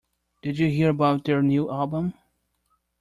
Did you hear about their new album?